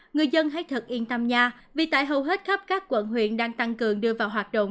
người dân hãy thật yên tâm nhà vì tại hầu hết khắp các quận huyện đang tăng cường đưa vào hoạt động